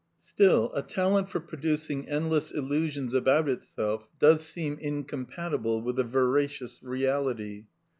Still, a talent for producing endless illusions about it self does seem incompatible with a veracious Reality.